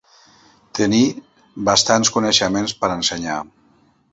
Tenir bastants coneixements per a ensenyar.